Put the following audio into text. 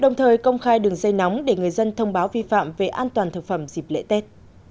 đồng thời công khai đường dây nóng để người dân thông báo vi phạm về an toàn thực phẩm dịp lễ tết